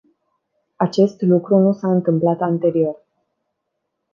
Acest lucru nu s-a întâmplat anterior.